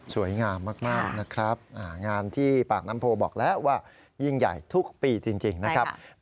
สวยงามมากนะครับงานที่ปากน้ำโพบอกแล้วว่ายิ่งใหญ่ทุกปีจริงนะครับ